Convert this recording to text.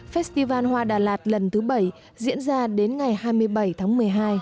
festival hoa đà lạt lần thứ bảy diễn ra đến ngày hai mươi bảy tháng một mươi hai